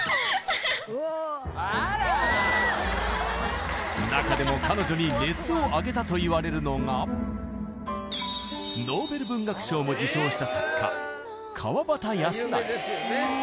あら中でも彼女に熱を上げたといわれるのがノーベル文学賞も受賞した作家川端